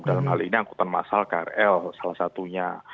dalam hal ini angkutan masal krl salah satunya